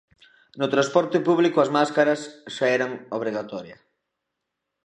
No transporte público as máscaras xa eran obrigatoria.